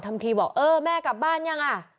ทำทีบอกเออแม่กลับบ้านยังอ่ะ